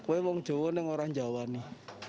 wayang jawa nih orang jawa nih